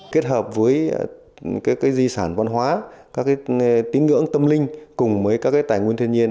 kết hợp với các di sản văn hóa các tín ngưỡng tâm linh cùng với các tài nguyên thiên nhiên